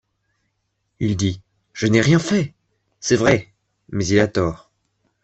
Il dit : Je n’ai rien fait ! C’est vrai ; mais il a tort